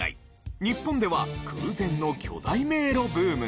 日本では空前の巨大迷路ブームが。